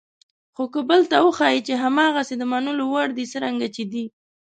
خو که بل ته وښایئ چې هماغسې د منلو وړ دي څرنګه چې دي.